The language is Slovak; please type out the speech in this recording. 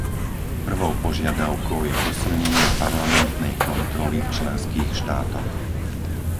Prvou požiadavkou je posilnenie parlamentnej kontroly v členských štátoch.